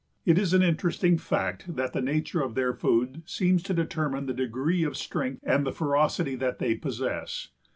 It is an interesting fact that the nature of their food seems to determine the degree of strength and the ferocity that they possess.